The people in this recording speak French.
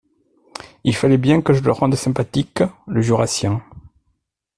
Il fallait bien que je le rende sympathique, le Jurassien.